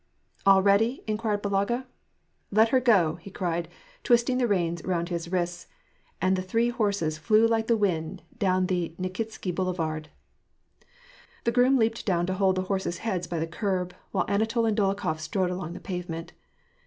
" All ready ?" inquired Balaga. " Let her go," he cried, twisting the reins round his wrists, and the three horses flew like the wind down the Nikitsky Boulevard. The groom leaped down to hold the horses' heads by the curb, while Anatol and Dolokhof strode along the pavement.